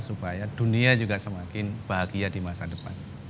supaya dunia juga semakin bahagia di masa depan